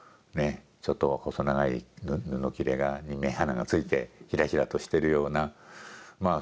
ちょっと細長い布切れに目鼻が付いてひらひらとしてるようなまあ